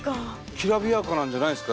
きらびやかなんじゃないですか？